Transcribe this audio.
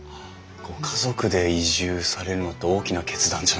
ご家族で移住されるのって大きな決断じゃないですか？